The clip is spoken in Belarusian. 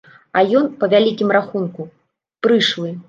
А ён, па вялікім рахунку, прышлы.